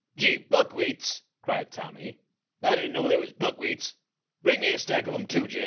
"Gee! Buckwheats!" cried Tommy. "_I didn't know there was buckwheats bring me a stack of 'em too, Jennie!